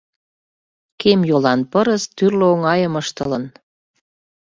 Кем йолан Пырыс тӱрлӧ оҥайым ыштылын.